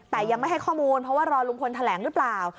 แต่ยังไม่ให้ข้อมูลเพราะว่ารอลุงพลแถลงหรือเปล่า